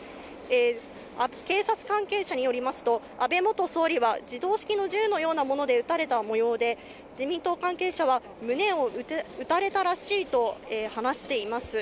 警察関係者によりますと安倍元総理は自動式の銃のようなもので撃たれた模様で、自民党関係者は胸を撃たれたらしいと話しています。